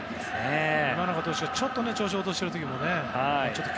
今永投手がちょっと調子を落としているときも。